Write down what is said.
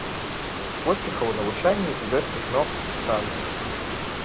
Поспехаў у навучанні і лёгкіх ног у танцах!